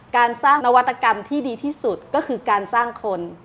การสร้างนวัตกรรมที่ดีที่สุดก็คือการสร้างคน